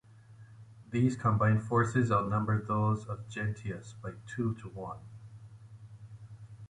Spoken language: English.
These combined forces outnumbered those of Gentius by two to one.